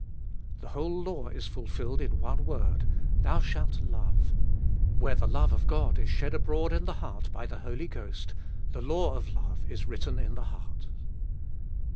4. The whole law Is fulfilled in one word: Thou shaft love. Where the love of God is shed abroad In the heart by the Holy Ghost, the law of love Is written in the heart.